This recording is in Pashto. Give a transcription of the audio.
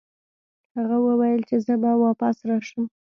هغه وویل چې زه به واپس راشم.